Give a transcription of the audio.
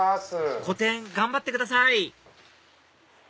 個展頑張ってください！